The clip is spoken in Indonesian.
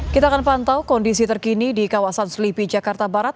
kita akan pantau kondisi terkini di kawasan selipi jakarta barat